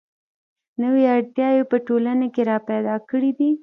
نوې اړتیاوې یې په ټولنه کې را پیدا کړې دي.